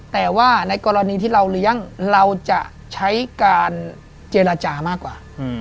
แต่ว่าในกรณีที่เราเลี้ยงเราจะใช้การเจรจามากกว่า